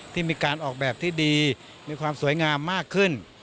ที่มีการออกแบบที่ดีมีความสวยงามมากขึ้น